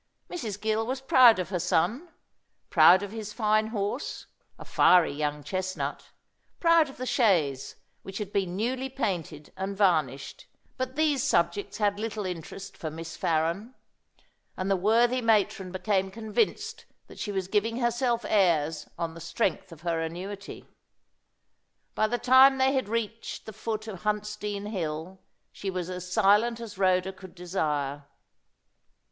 Mrs. Gill was proud of her son, proud of his fine horse, a fiery young chestnut, proud of the chaise, which had been newly painted and varnished. But these subjects had little interest for Miss Farren. And the worthy matron became convinced that she was giving herself airs on the strength of her annuity. By the time they had reached the foot of Huntsdean hill, she was as silent as Rhoda could desire.